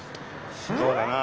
そうだなあ。